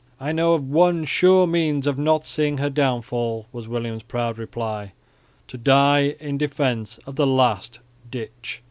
"I know of one sure means of not seeing her downfall," was William's proud reply, "to die in defence of the last ditch."